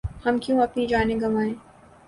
ہم کیوں اپنی جانیں گنوائیں ۔